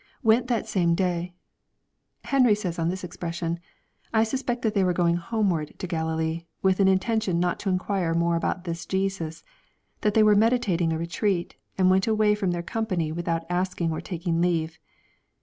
[ Went that same day.] Henry says on this expression, " I sus pect that they were going homeward to Galilee, with an intention not to inquire more about this Jesus ; that they were meditating a retreat, and went away from their company without asking or taking leave."